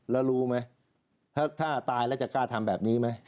แล้วรู้ไหมถ้าตายแล้วจะกล้าทำแบบนี้ไหม